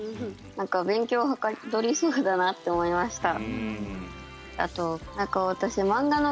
なんか勉強はかどりそうだなって思いました。